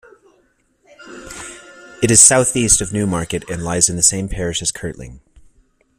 It is south-east of Newmarket and lies in the same parish as Kirtling.